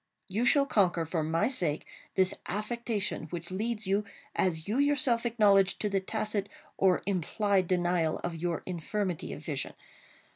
You shall conquer, for my sake, this affectation which leads you, as you yourself acknowledge, to the tacit or implied denial of your infirmity of vision.